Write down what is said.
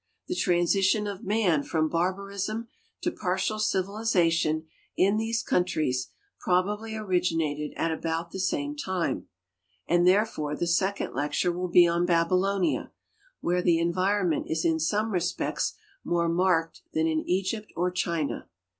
The tran sition of man from barbarism to partial civilization in these countries probably originated at about the same time, and therefore the second lecture will be on Babylonia, where the environment is in some respects more marked than in Egypt or China.